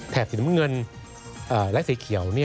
สีน้ำเงินและสีเขียว